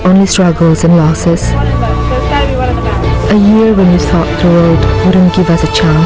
anu disokong dengan catatan dan masing masing